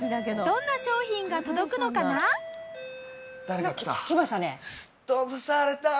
どんな商品が届くのかな？来ましたね。